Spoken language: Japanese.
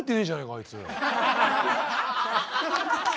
あいつ。